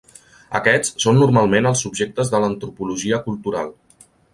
Aquests són normalment els subjectes de l'antropologia cultural.